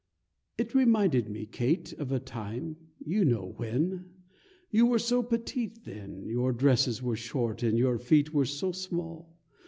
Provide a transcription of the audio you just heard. It reminded me, Kate, of a time you know when! You were so petite then, Your dresses were short, and your feet were so small.